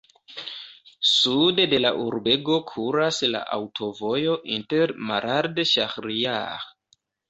Sude de la urbego kuras la aŭtovojo inter Malard-Ŝahrijar.